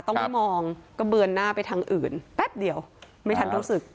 ต้องไม่มองก็เบือนหน้าไปทางอื่นแป๊บเดียวไม่ทันรู้สึก